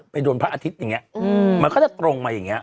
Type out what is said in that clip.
โดนพระอาทิตย์อย่างนี้มันก็จะตรงมาอย่างนี้